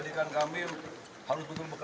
terima kasih ya